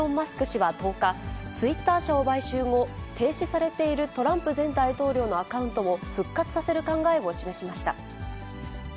氏は１０日、ツイッター社を買収後、停止されているトランプ前大統領のアカウントを、復活させる考えを示しました。